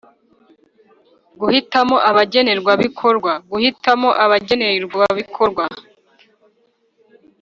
Guhitamo abagenerwabikorwa Guhitamo abagenerwabikorwa